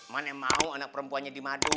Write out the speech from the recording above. mana yang mau anak perempuannya di madu